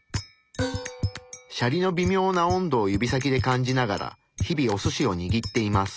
シャリのびみょうな温度を指先で感じながら日々おすしをにぎっています。